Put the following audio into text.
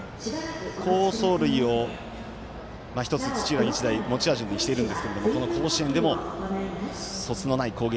好走塁を１つ土浦日大は持ち味にしているんですがこの甲子園でも、そつのない攻撃。